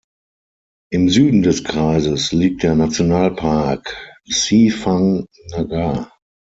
Im Süden des Kreises liegt der Nationalpark Si Phang-nga.